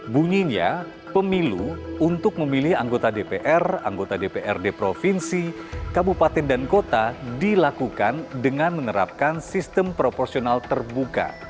bunyinya pemilu untuk memilih anggota dpr anggota dprd provinsi kabupaten dan kota dilakukan dengan menerapkan sistem proporsional terbuka